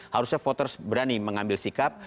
harusnya voters berani mengambil sikap